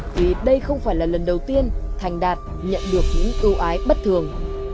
vì đây không phải là lần đầu tiên thành đạt nhận được những ưu ái bất thường